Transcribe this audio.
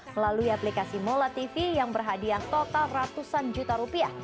melalui aplikasi mola tv yang berhadiah total ratusan juta rupiah